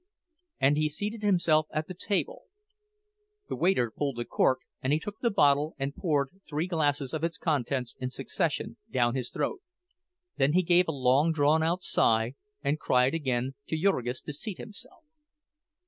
And he seated himself at the table; the waiter pulled a cork, and he took the bottle and poured three glasses of its contents in succession down his throat. Then he gave a long drawn sigh, and cried again to Jurgis to seat himself.